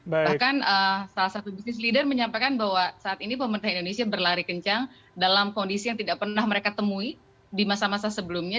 bahkan salah satu bisnis leader menyampaikan bahwa saat ini pemerintah indonesia berlari kencang dalam kondisi yang tidak pernah mereka temui di masa masa sebelumnya